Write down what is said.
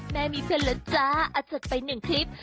แม่มีเพื่อนแล้วจ้าอาจจัดไปหนึ่งคลิป